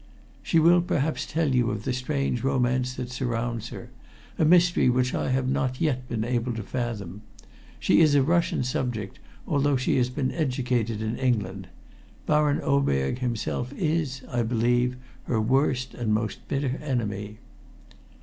"She will perhaps tell you of the strange romance that surrounds her a mystery which I have not yet been able to fathom. She is a Russian subject, although she has been educated in England. Baron Oberg himself is, I believe, her worst and most bitter enemy."